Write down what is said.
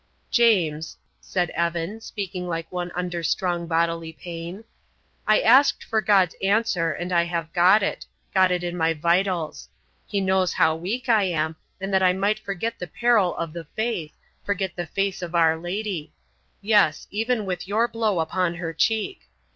"James," said Evan, speaking like one under strong bodily pain, "I asked for God's answer and I have got it got it in my vitals. He knows how weak I am, and that I might forget the peril of the faith, forget the face of Our Lady yes, even with your blow upon her cheek.